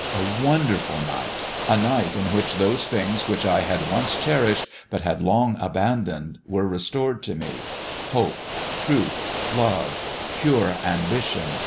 A wonderful night! a night in which those things which I had once cherished, but had long abandoned, were restored to me : hope, truth, love, pure ambition.